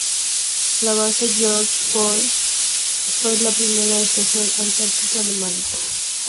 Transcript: La Base Georg Forster fue la primera estación antártica alemana.